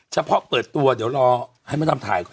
เฉพาะเปิดตัวเดี๋ยวรอให้มะดำถ่ายก่อน